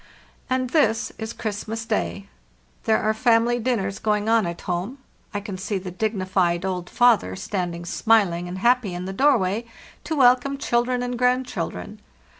"And this is Christmas day! | There are family din ners going on at home. I can see the dignified old father standing smiling and happy in the doorway to welcome children and grandchildren.